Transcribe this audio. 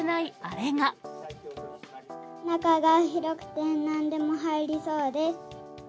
中が広くて、なんでも入りそうです。